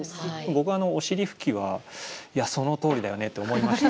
僕はおしりふきはそのとおりだよねって思いました。